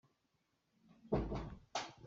Ruah nih a kan surh.